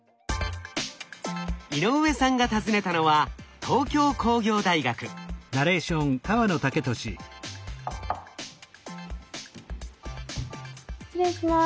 井上さんが訪ねたのは失礼します。